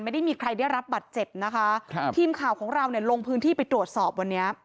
ไม่ได้มีใครได้รับบัตรเจ็บนะคะครับทีมข่าวของเราเนี่ยลงพื้นที่ไปตรวจสอบวันนี้